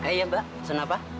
iya pak pesan apa